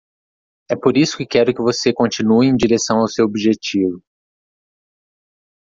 É por isso que quero que você continue em direção ao seu objetivo.